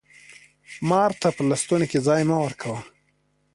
مار ته په لستوڼي کي ځای مه ورکوه!